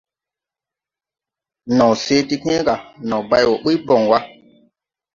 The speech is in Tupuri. Naw se ti kęę ga, naw bay wɔɔ ɓuy bon wa.